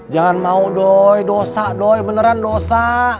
jangan mau doi dosa doi beneran dosa